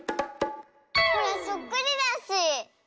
ほらそっくりだし！